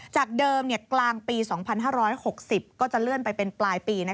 จากเดิมกลางปี๒๕๖๐ก็จะเลื่อนไปเป็นปลายปี